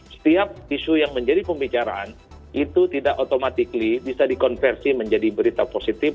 setiap isu yang menjadi pembicaraan itu tidak otomatis bisa dikonversi menjadi berita positif